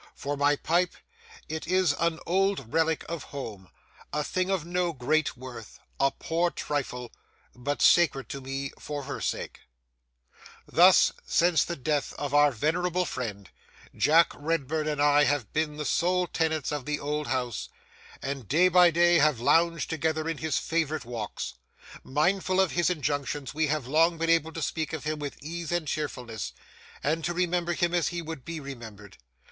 For my pipe, it is an old relic of home, a thing of no great worth, a poor trifle, but sacred to me for her sake. Thus, since the death of our venerable friend, Jack Redburn and I have been the sole tenants of the old house; and, day by day, have lounged together in his favourite walks. Mindful of his injunctions, we have long been able to speak of him with ease and cheerfulness, and to remember him as he would be remembered.